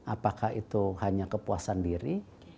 apakah itu hanya kepuasan diri